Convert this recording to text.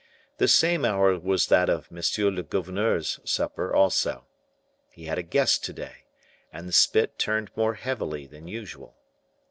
This same hour was that of M. le gouverneur's supper also. He had a guest to day, and the spit turned more heavily than usual.